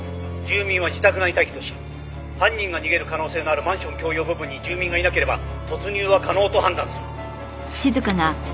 「住民は自宅内待機とし犯人が逃げる可能性のあるマンション共用部分に住民がいなければ突入は可能と判断する」